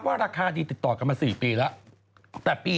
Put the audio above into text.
วี้วะล่ม